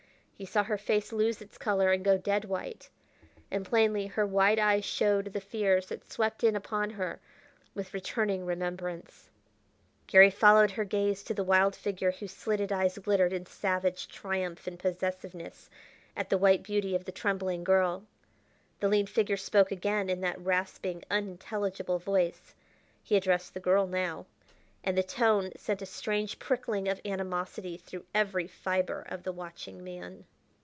He saw her face lose its color and go dead white, and plainly her wide eyes showed the fears that swept in upon her with returning remembrance. Garry followed her gaze to the wild figure whose slitted eyes glittered in savage triumph and possessiveness at the white beauty of the trembling girl. The lean figure spoke again in that rasping, unintelligible voice he addressed the girl now and the tone sent a strange prickling of animosity through every fibre of the watching man.